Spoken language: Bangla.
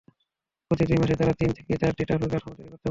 প্রতি দুই মাসে তাঁরা তিন থেকে চারটি ট্রাকের কাঠামো তৈরি করতে পারেন।